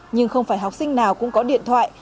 nhưng không phải học sinh nào cũng có điện thoại